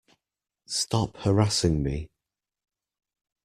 Stop harassing me!